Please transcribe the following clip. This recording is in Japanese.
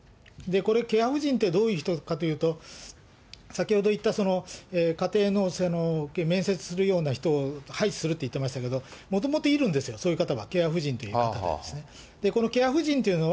これ、ケアふじんってどういう人かというと、先ほど言った、かていの面接するような人を配置するっていってましたけど、もともといるんですよ、そういう方が、ケアふじんという方がですね。